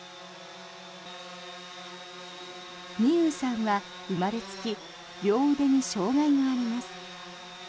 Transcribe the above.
美侑さんは生まれつき両腕に障害があります。